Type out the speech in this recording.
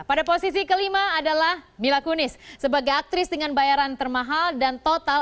pada posisi kelima adalah mila kunis sebagai aktris dengan bayaran termahal dan total